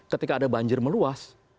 ketika ada banjir meluas